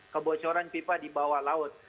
kebocoran pipa di bawah laut